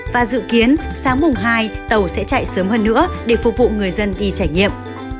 và dự kiến sáng mùng hai tàu sẽ chạy sớm hơn nữa để phục vụ người dân đi trải nghiệm